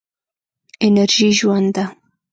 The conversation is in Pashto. انرژي ژوند ده.